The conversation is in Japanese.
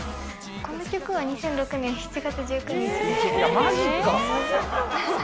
この曲は２００６年７月１９まじか。